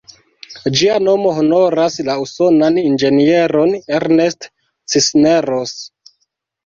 Ĝia nomo honoras la usonan inĝenieron "Ernest Cisneros".